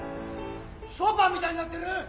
ショパンみたいになってる！